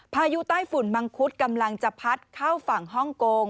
พายุใต้ฝุ่นมังคุดกำลังจะพัดเข้าฝั่งฮ่องกง